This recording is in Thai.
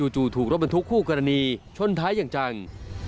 จู่ถูกรถบรรทุกคู่กรณีชนท้ายอย่างจัง